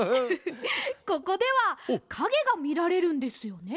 ここではかげがみられるんですよね？